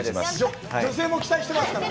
女性も期待してますから。